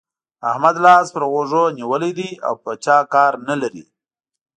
احمد لاس پر غوږو نيولی دی او پر چا کار نه لري.